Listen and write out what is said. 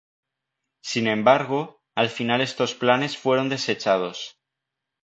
Sin embargo, al final estos planes fueron desechados.